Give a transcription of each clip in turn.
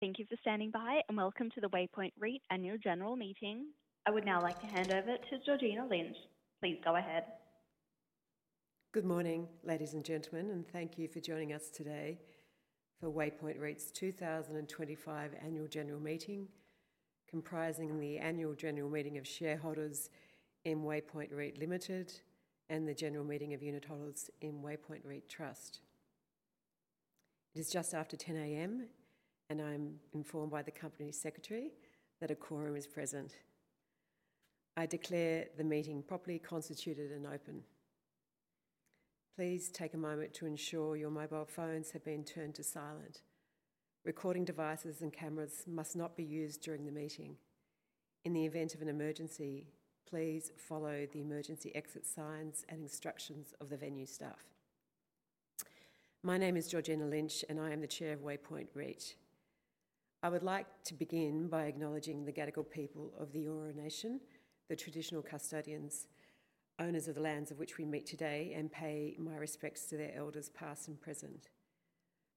Thank you for standing by, and welcome to the Waypoint REIT Annual General Meeting. I would now like to hand over to Georgina Lynch. Please go ahead. Good morning, ladies and gentlemen, and thank you for joining us today for Waypoint REIT's 2025 Annual General Meeting, comprising the Annual General Meeting of Shareholders in Waypoint REIT Limited and the General Meeting of Unit Holders in Waypoint REIT Trust. It is just after 10:00 A.M., and I'm informed by the Company Secretary that a quorum is present. I declare the meeting properly constituted and open. Please take a moment to ensure your mobile phones have been turned to silent. Recording devices and cameras must not be used during the meeting. In the event of an emergency, please follow the emergency exit signs and instructions of the venue staff. My name is Georgina Lynch, and I am the Chair of Waypoint REIT. I would like to begin by acknowledging the Gadigal people of the Eora Nation, the traditional custodians, owners of the lands on which we meet today, and pay my respects to their elders past and present.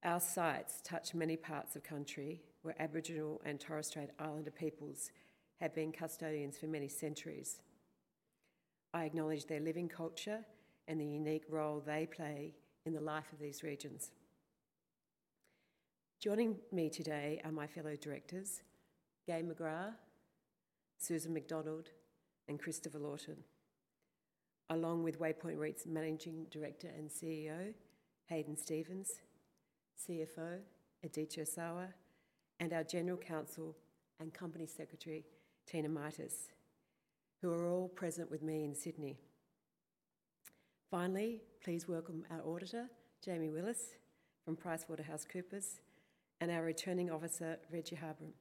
Our sites touch many parts of country where Aboriginal and Torres Strait Islander peoples have been custodians for many centuries. I acknowledge their living culture and the unique role they play in the life of these regions. Joining me today are my fellow directors, Gai McGrath, Susan MacDonald, and Christopher Lawton, along with Waypoint REIT's Managing Director and CEO, Hadyn Stephens, CFO, Aditya Asawa, and our General Counsel and Company Secretary, Tina Mitas, who are all present with me in Sydney. Finally, please welcome our auditor, Jamie Wills from PricewaterhouseCoopers, and our returning officer, Regi Habron,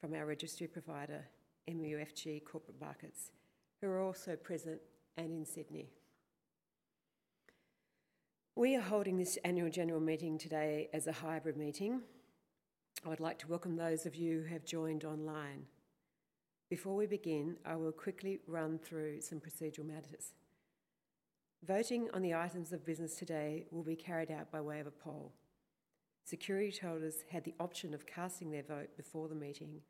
from our registry provider, MUFG Corporate Markets, who are also present and in Sydney. We are holding this Annual General Meeting today as a hybrid meeting. I would like to welcome those of you who have joined online. Before we begin, I will quickly run through some procedural matters. Voting on the items of business today will be carried out by way of a poll. Security holders had the option of casting their vote before the meeting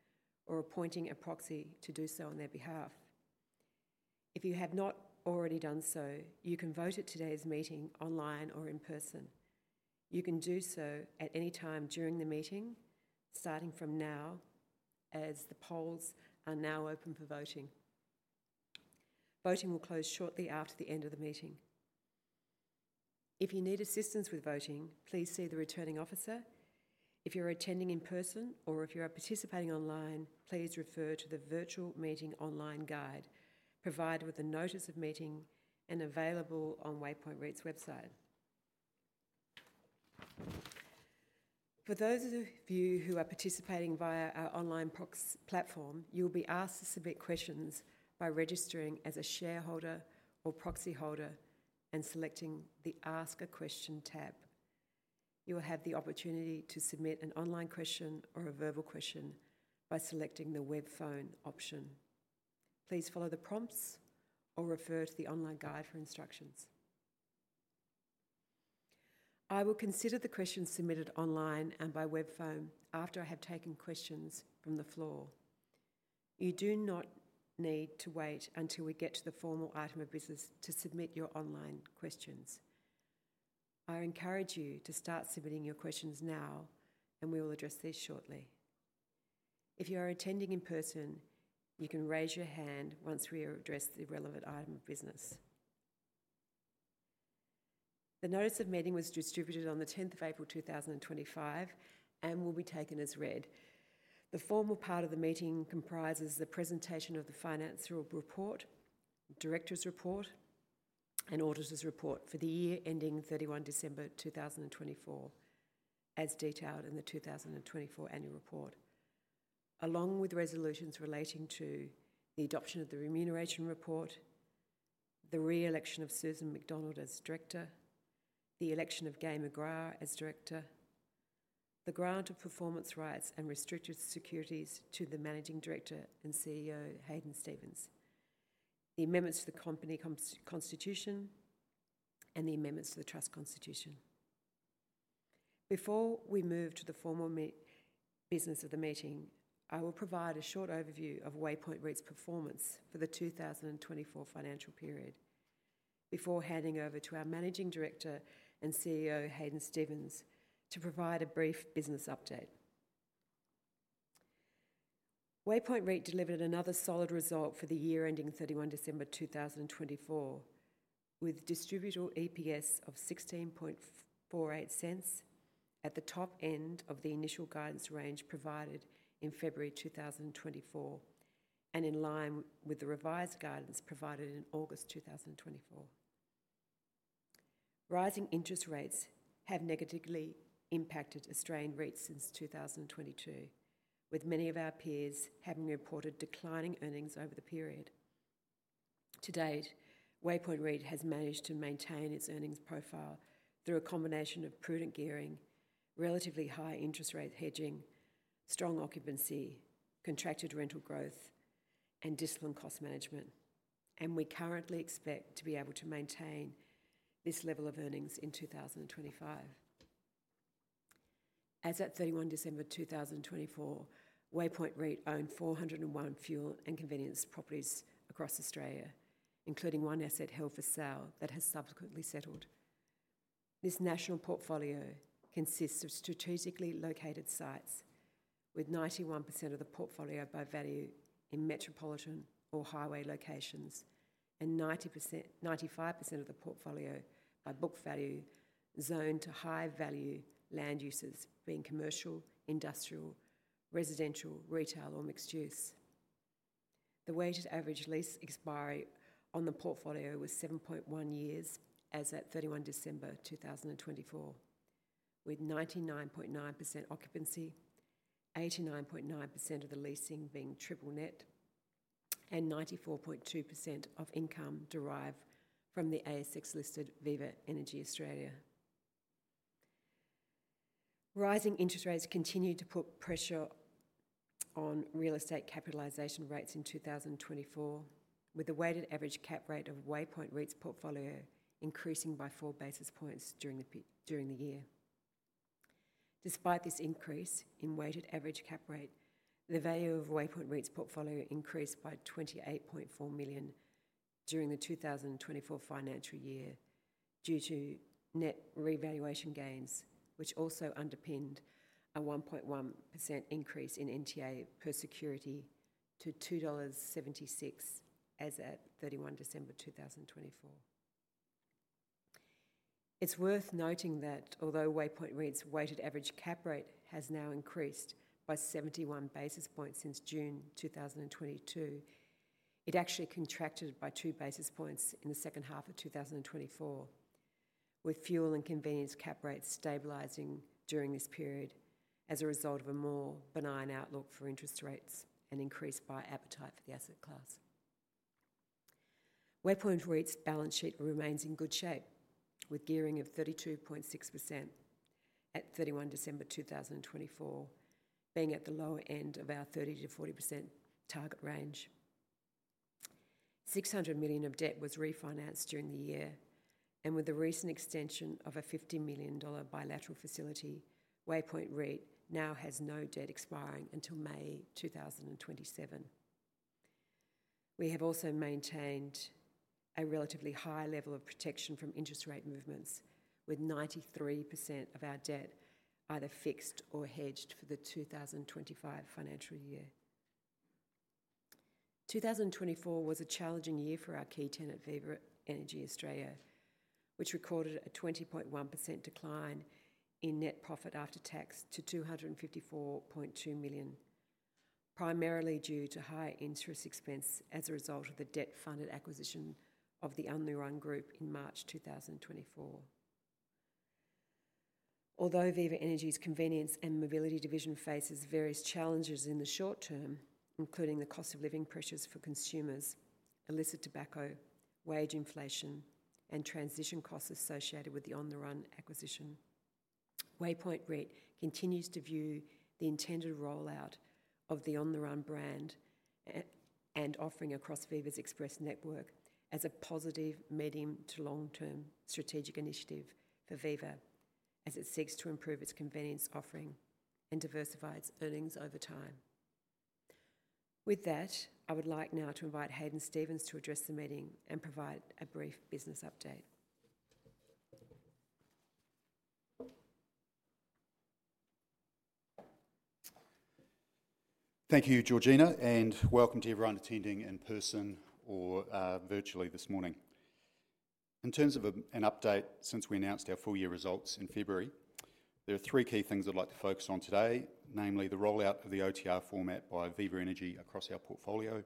or appointing a proxy to do so on their behalf. If you have not already done so, you can vote at today's meeting online or in person. You can do so at any time during the meeting, starting from now, as the polls are now open for voting. Voting will close shortly after the end of the meeting. If you need assistance with voting, please see the returning officer. If you're attending in person or if you are participating online, please refer to the Virtual Meeting Online Guide provided with the notice of meeting and available on Waypoint REIT's website. For those of you who are participating via our online platform, you will be asked to submit questions by registering as a shareholder or proxy holder and selecting the Ask a Question tab. You will have the opportunity to submit an online question or a verbal question by selecting the web phone option. Please follow the prompts or refer to the online guide for instructions. I will consider the questions submitted online and by web phone after I have taken questions from the floor. You do not need to wait until we get to the formal item of business to submit your online questions. I encourage you to start submitting your questions now, and we will address these shortly. If you are attending in person, you can raise your hand once we address the relevant item of business. The notice of meeting was distributed on the 10th of April 2025 and will be taken as read. The formal part of the meeting comprises the presentation of the financial report, director's report, and auditor's report for the year ending 31 December 2024, as detailed in the 2024 Annual Report, along with resolutions relating to the adoption of the remuneration report, the re-election of Susan MacDonald as Director, the election of Gai McGrath as Director, the grant of performance rights and restricted securities to the Managing Director and CEO, Hadyn Stephens, the amendments to the Company Constitution, and the amendments to the Trust Constitution. Before we move to the formal business of the meeting, I will provide a short overview of Waypoint REIT's performance for the 2024 financial period before handing over to our Managing Director and CEO, Hadyn Stephens, to provide a brief business update. Waypoint REIT delivered another solid result for the year ending December 31, 2024, with a distributable EPS of 0.1648 at the top end of the initial guidance range provided in February 2024 and in line with the revised guidance provided in August 2024. Rising interest rates have negatively impacted Australian REITs since 2022, with many of our peers having reported declining earnings over the period. To date, Waypoint REIT has managed to maintain its earnings profile through a combination of prudent gearing, relatively high interest rate hedging, strong occupancy, contracted rental growth, and disciplined cost management, and we currently expect to be able to maintain this level of earnings in 2025. As of 31 December 2024, Waypoint REIT owned 401 fuel and convenience properties across Australia, including one asset held for sale, that has subsequently settled. This national portfolio consists of strategically located sites, with 91% of the portfolio by value in metropolitan or highway locations and 95% of the portfolio by book value, zoned to high-value land uses, being commercial, industrial, residential, retail, or mixed use. The weighted average lease expiry on the portfolio was 7.1 years as of 31 December 2024, with 99.9% occupancy, 89.9% of the leasing being triple net, and 94.2% of income derived from the ASX-listed Viva Energy Australia. Rising interest rates continue to put pressure on real estate capitalisation rates in 2024, with the weighted average cap rate of Waypoint REIT's portfolio increasing by four basis points during the year. Despite this increase in weighted average cap rate, the value of Waypoint REIT's portfolio increased by 28.4 million during the 2024 financial year due to net revaluation gains, which also underpinned a 1.1% increase in NTA per security to 2.76 dollars as of 31 December 2024. It's worth noting that although Waypoint REIT's weighted average cap rate has now increased by 71 basis points since June 2022, it actually contracted by two basis points in the second half of 2024, with fuel and convenience cap rates stabilising during this period as a result of a more benign outlook for interest rates and increased buy appetite for the asset class. Waypoint REIT's balance sheet remains in good shape, with gearing of 32.6% at 31 December 2024, being at the lower end of our 30-40% target range. 600 million of debt was refinanced during the year, and with the recent extension of a 50 million dollar bilateral facility, Waypoint REIT now has no debt expiring until May 2027. We have also maintained a relatively high level of protection from interest rate movements, with 93% of our debt either fixed or hedged for the 2025 financial year. 2024 was a challenging year for our key tenant, Viva Energy Australia, which recorded a 20.1% decline in net profit after tax to 254.2 million, primarily due to high interest expense as a result of the debt-funded acquisition of the On The Run in March 2024. Although Viva Energy's Convenience and Mobility Division faces various challenges in the short term, including the cost of living pressures for consumers, illicit tobacco, wage inflation, and transition costs associated with the On The Run acquisition, Waypoint REIT continues to view the intended rollout of the On The Run brand and offering across Viva's Express network as a positive medium to long-term strategic initiative for Viva, as it seeks to improve its convenience offering and diversify its earnings over time. With that, I would like now to invite Hadyn Stephens to address the meeting and provide a brief business update. Thank you, Georgina, and welcome to everyone attending in person or virtually this morning. In terms of an update since we announced our full year results in February, there are three key things I'd like to focus on today, namely the rollout of the OTR format by Viva Energy across our portfolio,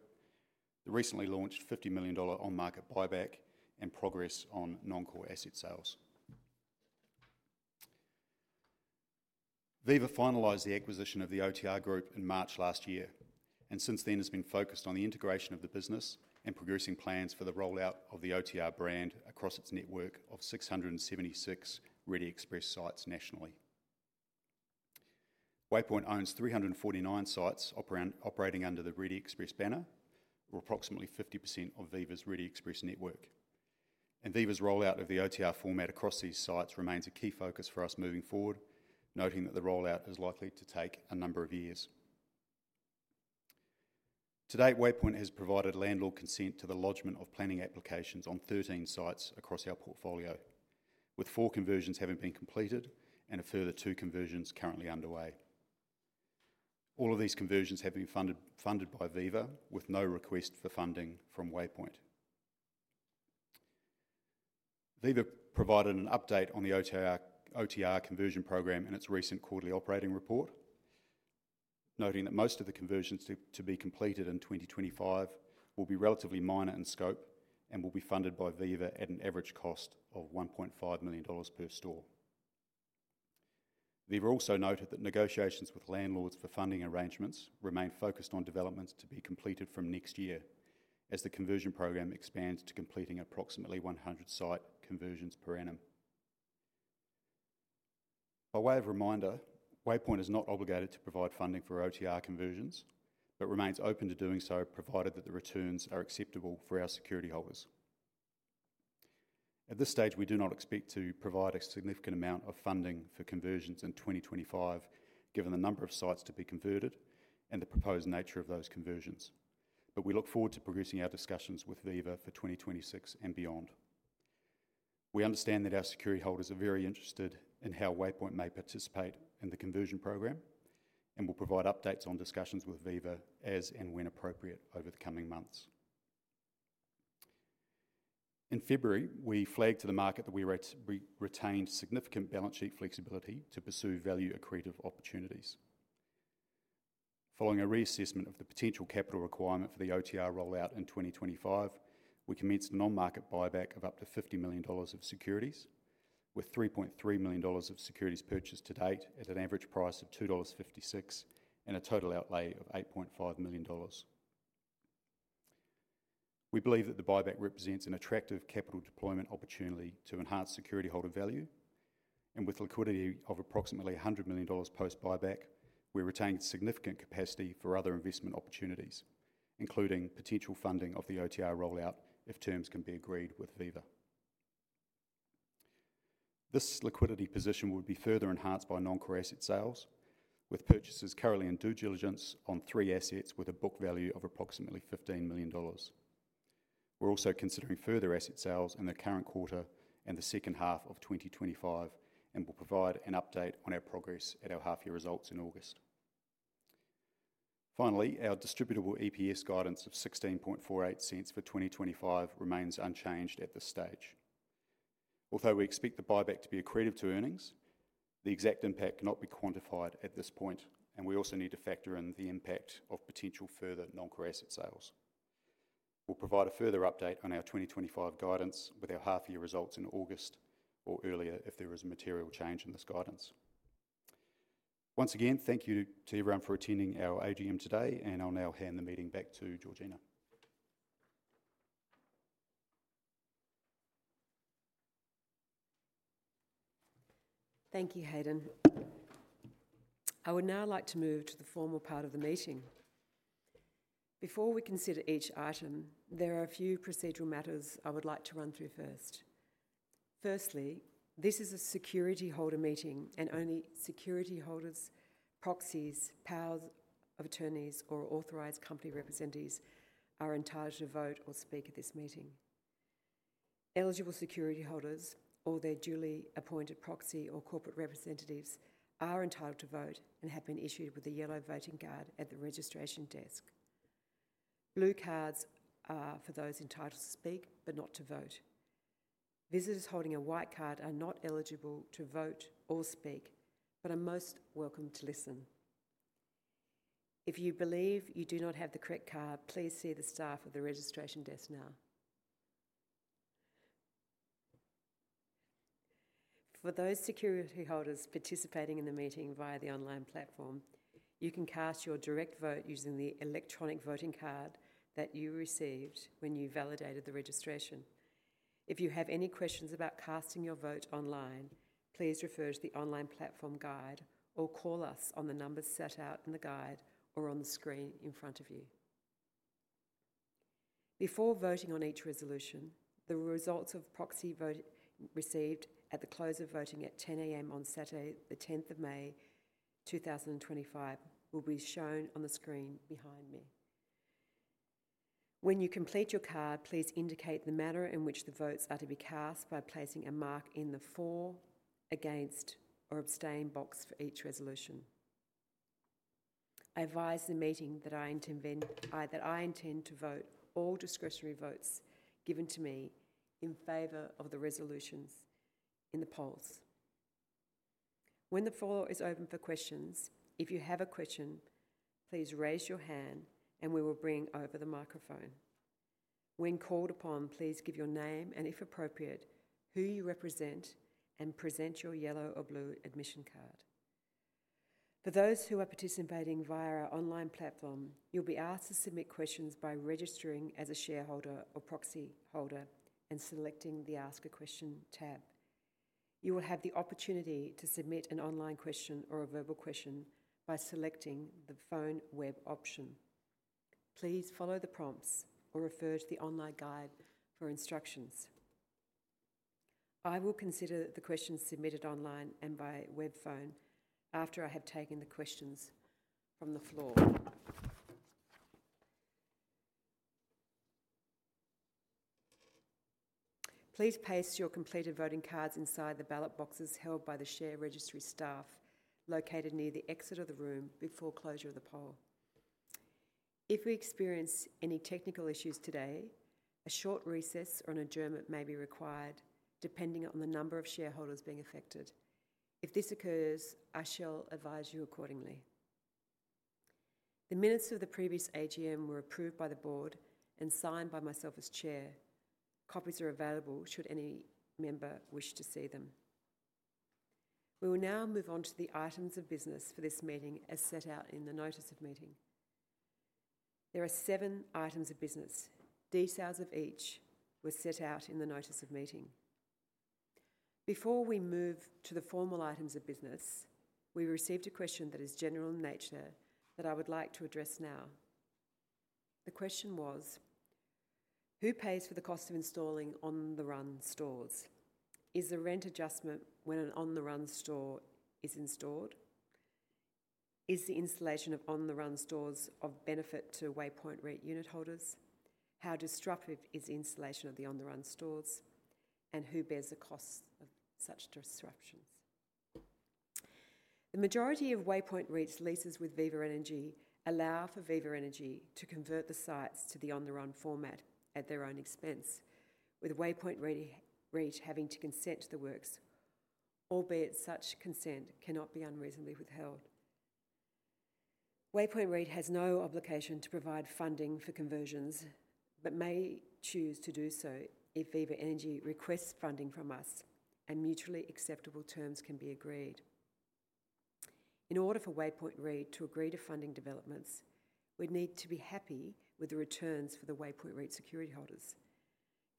the recently launched AUD 50 million on-market buyback, and progress on non-core asset sales. Viva finalized the acquisition of the OTR Group in March last year and since then has been focused on the integration of the business and progressing plans for the rollout of the OTR brand across its network of 676 Ready Express sites nationally. Waypoint owns 349 sites operating under the Ready Express banner, or approximately 50% of Viva's Ready Express network, and Viva's rollout of the OTR format across these sites remains a key focus for us moving forward, noting that the rollout is likely to take a number of years. To date, Waypoint has provided landlord consent to the lodgement of planning applications on 13 sites across our portfolio, with four conversions having been completed and a further two conversions currently underway. All of these conversions have been funded by Viva with no request for funding from Waypoint. Viva provided an update on the OTR conversion program in its recent quarterly operating report, noting that most of the conversions to be completed in 2025 will be relatively minor in scope and will be funded by Viva at an average cost of 1.5 million dollars per store. Viva also noted that negotiations with landlords for funding arrangements remain focused on developments to be completed from next year, as the conversion program expands to completing approximately 100 site conversions per annum. By way of reminder, Waypoint is not obligated to provide funding for OTR conversions, but remains open to doing so provided that the returns are acceptable for our security holders. At this stage, we do not expect to provide a significant amount of funding for conversions in 2025, given the number of sites to be converted and the proposed nature of those conversions, but we look forward to progressing our discussions with Viva for 2026 and beyond. We understand that our security holders are very interested in how Waypoint may participate in the conversion program and will provide updates on discussions with Viva as and when appropriate over the coming months. In February, we flagged to the market that we retained significant balance sheet flexibility to pursue value-accretive opportunities. Following a reassessment of the potential capital requirement for the OTR rollout in 2025, we commenced an on-market buyback of up to 50 million dollars of securities, with 3.3 million dollars of securities purchased to date at an average price of 2.56 dollars and a total outlay of 8.5 million dollars. We believe that the buyback represents an attractive capital deployment opportunity to enhance security holder value, and with liquidity of approximately 100 million dollars post-buyback, we retain significant capacity for other investment opportunities, including potential funding of the OTR rollout if terms can be agreed with Viva. This liquidity position would be further enhanced by non-core asset sales, with purchasers currently in due diligence on three assets with a book value of approximately 15 million dollars. We're also considering further asset sales in the current quarter and the second half of 2025 and will provide an update on our progress at our half-year results in August. Finally, our distributable EPS guidance of 0.1648 for 2025 remains unchanged at this stage. Although we expect the buyback to be accretive to earnings, the exact impact cannot be quantified at this point, and we also need to factor in the impact of potential further non-core asset sales. We'll provide a further update on our 2025 guidance with our half-year results in August or earlier if there is a material change in this guidance. Once again, thank you to everyone for attending our AGM today, and I'll now hand the meeting back to Georgina. Thank you, Hadyn. I would now like to move to the formal part of the meeting. Before we consider each item, there are a few procedural matters I would like to run through first. Firstly, this is a security holder meeting, and only security holders, proxies, powers of attorney, or authorized company representatives are entitled to vote or speak at this meeting. Eligible security holders or their duly appointed proxy or corporate representatives are entitled to vote and have been issued with a yellow voting card at the registration desk. Blue cards are for those entitled to speak but not to vote. Visitors holding a white card are not eligible to vote or speak but are most welcome to listen. If you believe you do not have the correct card, please see the staff at the registration desk now. For those security holders participating in the meeting via the online platform, you can cast your direct vote using the electronic voting card that you received when you validated the registration. If you have any questions about casting your vote online, please refer to the online platform guide or call us on the numbers set out in the guide or on the screen in front of you. Before voting on each resolution, the results of proxy voting received at the close of voting at 10:00 A.M. on Saturday, the 10th of May 2025, will be shown on the screen behind me. When you complete your card, please indicate the manner in which the votes are to be cast by placing a mark in the for, against, or abstain box for each resolution. I advise the meeting that I intend to vote all discretionary votes given to me in favor of the resolutions in the polls. When the floor is open for questions, if you have a question, please raise your hand and we will bring over the microphone. When called upon, please give your name and, if appropriate, who you represent and present your yellow or blue admission card. For those who are participating via our online platform, you will be asked to submit questions by registering as a shareholder or proxy holder and selecting the Ask a Question tab. You will have the opportunity to submit an online question or a verbal question by selecting the phone/web option. Please follow the prompts or refer to the online guide for instructions. I will consider the questions submitted online and by web phone after I have taken the questions from the floor. Please place your completed voting cards inside the ballot boxes held by the share registry staff located near the exit of the room before closure of the poll. If we experience any technical issues today, a short recess or an adjournment may be required depending on the number of shareholders being affected. If this occurs, I shall advise you accordingly. The minutes of the previous AGM were approved by the board and signed by myself as Chair. Copies are available should any member wish to see them. We will now move on to the items of business for this meeting as set out in the notice of meeting. There are seven items of business. Details of each were set out in the notice of meeting. Before we move to the formal items of business, we received a question that is general in nature that I would like to address now. The question was, who pays for the cost of installing on-the-run stores? Is there rent adjustment when an on-the-run store is installed? Is the installation of on-the-run stores of benefit to Waypoint REIT unit holders? How disruptive is the installation of the on-the-run stores? Who bears the costs of such disruptions? The majority of Waypoint REIT's leases with Viva Energy allow for Viva Energy to convert the sites to the on-the-run format at their own expense, with Waypoint REIT having to consent to the works, albeit such consent cannot be unreasonably withheld. Waypoint REIT has no obligation to provide funding for conversions but may choose to do so if Viva Energy requests funding from us and mutually acceptable terms can be agreed. In order for Waypoint REIT to agree to funding developments, we'd need to be happy with the returns for the Waypoint REIT security holders.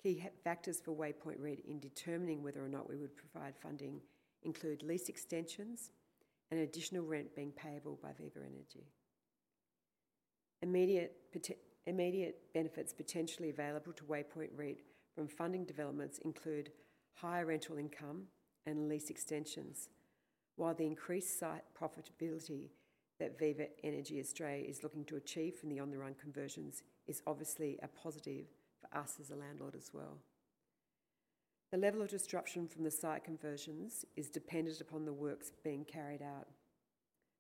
Key factors for Waypoint REIT in determining whether or not we would provide funding include lease extensions and additional rent being payable by Viva Energy. Immediate benefits potentially available to Waypoint REIT from funding developments include higher rental income and lease extensions, while the increased site profitability that Viva Energy Australia is looking to achieve from the on-the-run conversions is obviously a positive for us as a landlord as well. The level of disruption from the site conversions is dependent upon the works being carried out.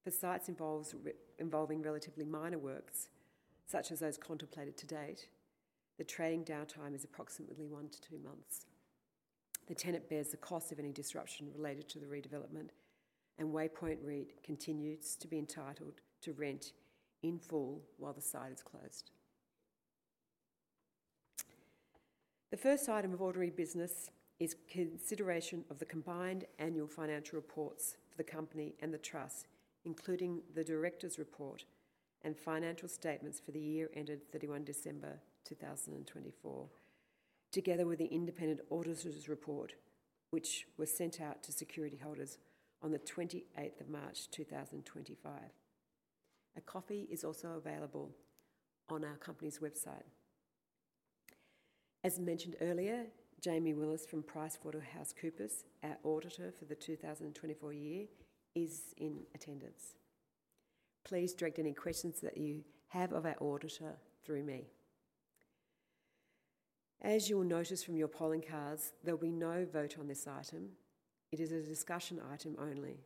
For sites involving relatively minor works, such as those contemplated to date, the trading downtime is approximately one to two months. The tenant bears the cost of any disruption related to the redevelopment, and Waypoint REIT continues to be entitled to rent in full while the site is closed. The first item of ordinary business is consideration of the combined annual financial reports for the company and the trust, including the director's report and financial statements for the year ended 31 December 2024, together with the independent auditor's report, which was sent out to security holders on the 28th of March 2025. A copy is also available on our company's website. As mentioned earlier, Jamie Wills from PricewaterhouseCoopers, our auditor for the 2024 year, is in attendance. Please direct any questions that you have of our auditor through me. As you will notice from your polling cards, there will be no vote on this item. It is a discussion item only.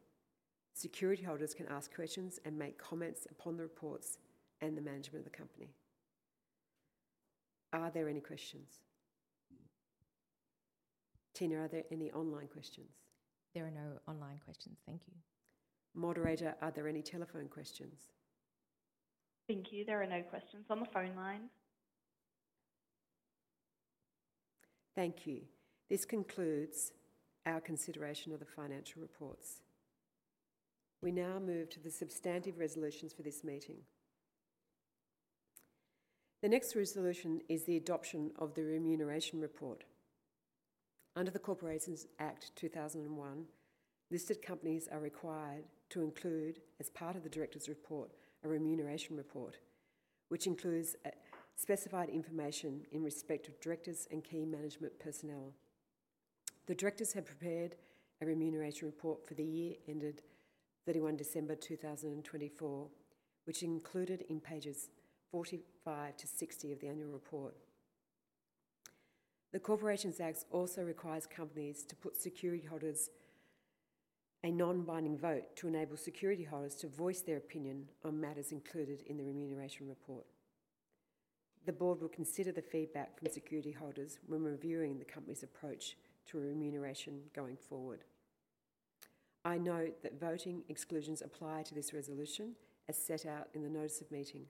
Security holders can ask questions and make comments upon the reports and the management of the company. Are there any questions? Tina, are there any online questions? There are no online questions. Thank you. Moderator, are there any telephone questions? Thank you. There are no questions on the phone line. Thank you. This concludes our consideration of the financial reports. We now move to the substantive resolutions for this meeting. The next resolution is the adoption of the remuneration report. Under the Corporations Act 2001, listed companies are required to include, as part of the directors' report, a remuneration report, which includes specified information in respect of directors and key management personnel. The directors have prepared a remuneration report for the year ended 31 December 2024, which is included in pages 45 to 60 of the annual report. The Corporations Act also requires companies to put to security holders a non-binding vote to enable security holders to voice their opinion on matters included in the remuneration report. The board will consider the feedback from security holders when reviewing the company's approach to remuneration going forward. I note that voting exclusions apply to this resolution as set out in the notice of meeting.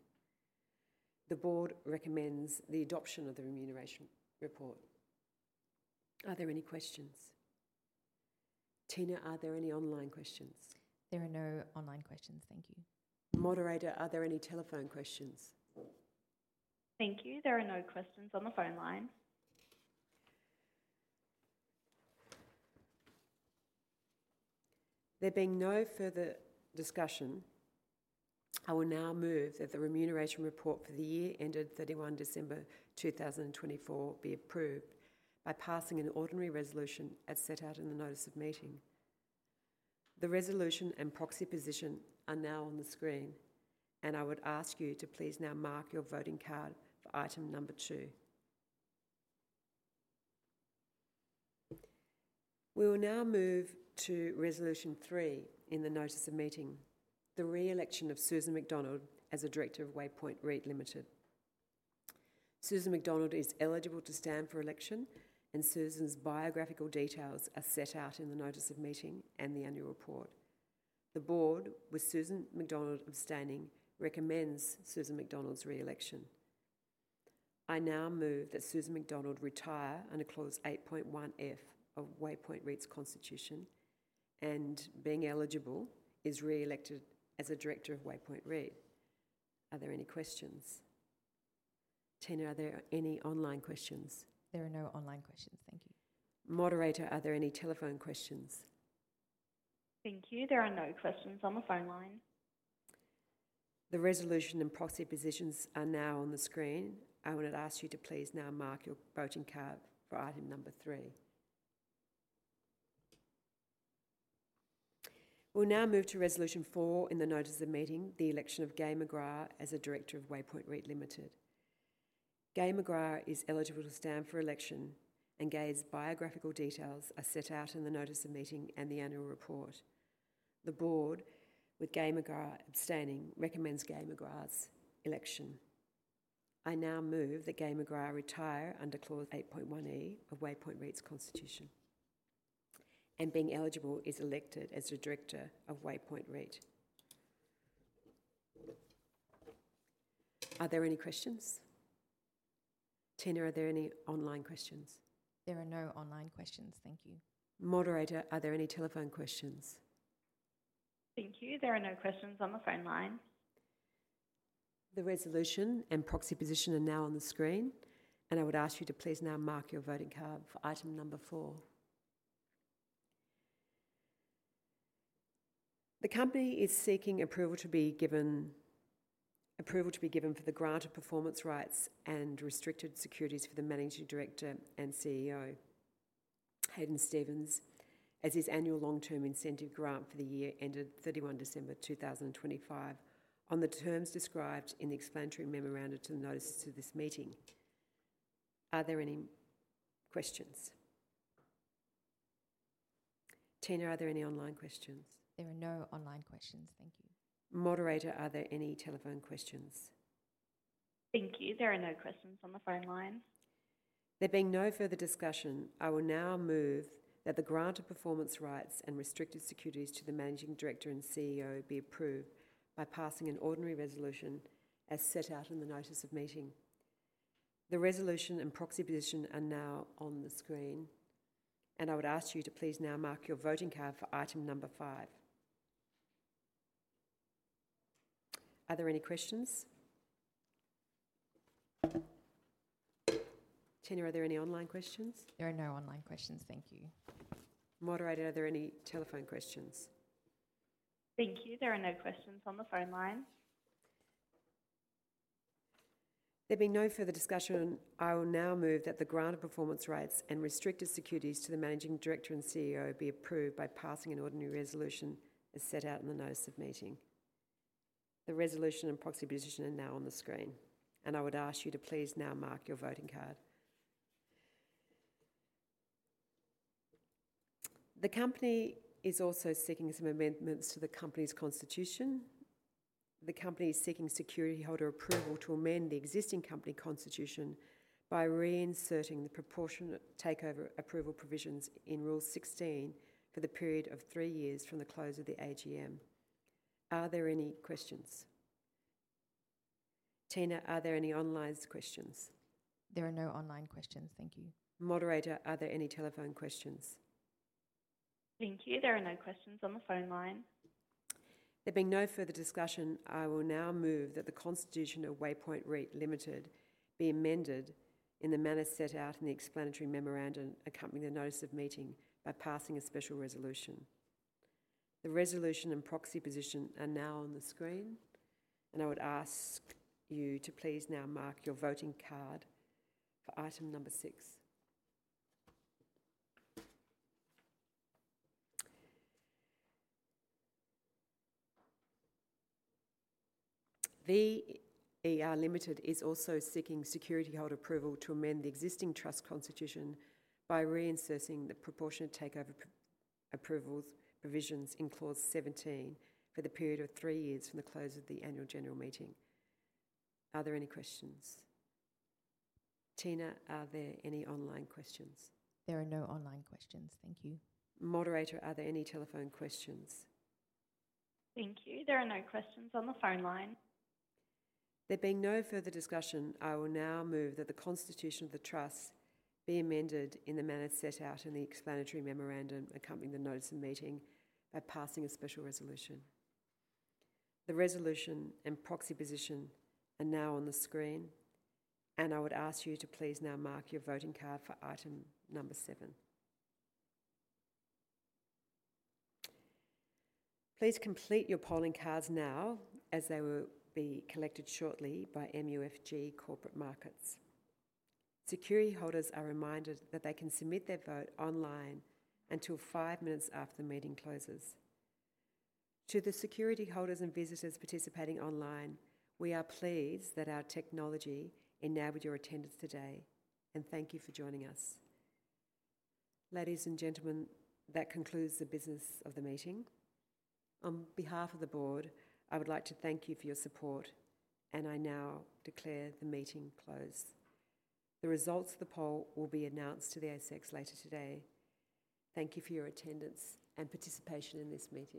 The board recommends the adoption of the remuneration report. Are there any questions? Tina, are there any online questions? There are no online questions. Thank you. Moderator, are there any telephone questions? Thank you. There are no questions on the phone line. There being no further discussion, I will now move that the remuneration report for the year ended 31 December 2024 be approved by passing an ordinary resolution as set out in the notice of meeting. The resolution and proxy position are now on the screen, and I would ask you to please now mark your voting card for item number two. We will now move to resolution three in the notice of meeting, the re-election of Susan MacDonald as a Director of Waypoint REIT Limited. Susan MacDonald is eligible to stand for election, and Susan's biographical details are set out in the notice of meeting and the annual report. The Board, with Susan MacDonald abstaining, recommends Susan MacDonald's re-election. I now move that Susan MacDonald retire under clause 8.1F of Waypoint REIT's constitution and, being eligible, is re-elected as a director of Waypoint REIT. Are there any questions? Tina, are there any online questions? There are no online questions. Thank you. Moderator, are there any telephone questions? Thank you. There are no questions on the phone line. The resolution and proxy positions are now on the screen. I would ask you to please now mark your voting card for item number three. We'll now move to resolution four in the notice of meeting, the election of Gai McGrath as a Director of Waypoint REIT Limited. Gai McGrath is eligible to stand for election, and Gai's biographical details are set out in the notice of meeting and the annual report. The board, with Gai McGrath abstaining, recommends Gai McGrath's election. I now move that Gai McGrath retire under clause 8.1E of Waypoint REIT's constitution, and, being eligible, is elected as a Director of Waypoint REIT. Are there any questions? Tina, are there any online questions? There are no online questions. Thank you. Moderator, are there any telephone questions? Thank you. There are no questions on the phone line. The resolution and proxy position are now on the screen, and I would ask you to please now mark your voting card for item number four. The company is seeking approval to be given for the grant of performance rights and restricted securities for the Managing Director and CEO, Hadyn Stephens, as his annual long-term incentive grant for the year ended 31 December 2025, on the terms described in the explanatory memoranda to the notices of this meeting. Are there any questions? Tina, are there any online questions? There are no online questions. Thank you. Moderator, are there any telephone questions? Thank you. There are no questions on the phone line. There being no further discussion, I will now move that the grant of performance rights and restricted securities to the Managing Director and CEO be approved by passing an ordinary resolution as set out in the notice of meeting. The resolution and proxy position are now on the screen, and I would ask you to please now mark your voting card for item number five. Are there any questions? Tina, are there any online questions? There are no online questions. Thank you. Moderator, are there any telephone questions? Thank you. There are no questions on the phone line. There being no further discussion, I will now move that the grant of performance rights and restricted securities to the Managing Director and CEO be approved by passing an ordinary resolution as set out in the notice of meeting. The resolution and proxy position are now on the screen, and I would ask you to please now mark your voting card. The company is also seeking some amendments to the company's constitution. The company is seeking security holder approval to amend the existing company constitution by reinserting the proportionate takeover approval provisions in Rule 16 for the period of three years from the close of the AGM. Are there any questions? Tina, are there any online questions? There are no online questions. Thank you. Moderator, are there any telephone questions? Thank you. There are no questions on the phone line. There being no further discussion, I will now move that the constitution of Waypoint REIT Limited be amended in the manner set out in the explanatory memoranda accompanying the notice of meeting by passing a special resolution. The resolution and proxy position are now on the screen, and I would ask you to please now mark your voting card for item number six. Waypoint REIT Limited is also seeking security holder approval to amend the existing trust constitution by reinserting the proportionate takeover approval provisions in clause 17 for the period of three years from the close of the annual general meeting. Are there any questions? Tina, are there any online questions? There are no online questions. Thank you. Moderator, are there any telephone questions? Thank you. There are no questions on the phone line. There being no further discussion, I will now move that the constitution of the trust be amended in the manner set out in the explanatory memoranda accompanying the notice of meeting by passing a special resolution. The resolution and proxy position are now on the screen, and I would ask you to please now mark your voting card for item number seven. Please complete your polling cards now as they will be collected shortly by MUFG Corporate Markets. Security holders are reminded that they can submit their vote online until five minutes after the meeting closes. To the security holders and visitors participating online, we are pleased that our technology enabled your attendance today, and thank you for joining us. Ladies and gentlemen, that concludes the business of the meeting. On behalf of the board, I would like to thank you for your support, and I now declare the meeting closed. The results of the poll will be announced to the ASX later today. Thank you for your attendance and participation in this meeting.